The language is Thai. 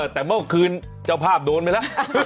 แต่เมื่อคืนเจ้าภาพโดนไปแล้ว